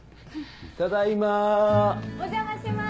ただいま。